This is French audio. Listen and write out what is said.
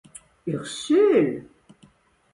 Ursule!